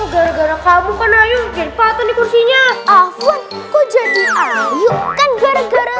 gara gara kamu pernah yukir patuh di kursinya aku jadi ayo kan gara gara